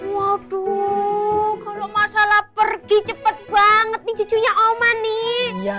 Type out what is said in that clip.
waduh kalau masalah pergi cepet banget nih cucunya oman nih